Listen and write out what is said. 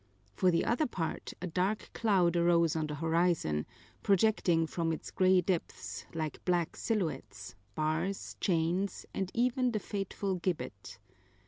For the other part a dark cloud arose on the horizon, projecting from its gray depths, like black silhouettes, bars, chains, and even the fateful gibbet.